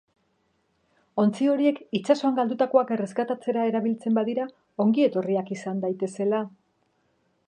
Ontzi horiek itsasoan galdutakoak erreskatatzera erabiltzen badira, ongi-etorriak izan daitezela.